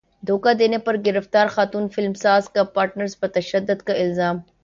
دھوکا دینے پر گرفتار خاتون فلم ساز کا پارٹنر پر تشدد کا الزام